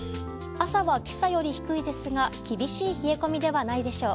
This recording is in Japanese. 朝は今朝より低いですが厳しい冷え込みではないでしょう。